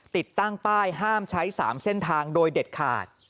ติดตั้งป้ายห้ามใช้๓เส้นทางโดยเด็ดขาด